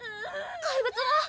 怪物は？